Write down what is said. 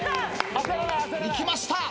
いきました。